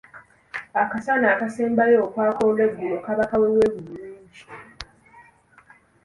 Akasana akasembayo okwaka olw’eggulo kaba kaweeweevu bulungi.